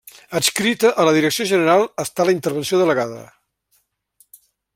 Adscrita a la Direcció general està la Intervenció Delegada.